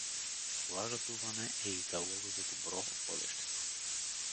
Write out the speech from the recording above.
Това жадуване е и залога за добро в бъдещето.